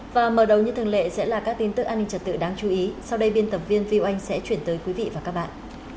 và mở đầu như thường lệ sẽ là các tin tức an ninh trật tự đáng chú ý sau đây biên tập viên viu anh sẽ chuyển tới quý vị và các bạn